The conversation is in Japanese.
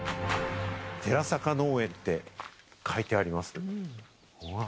「寺坂農園」と書いてあります。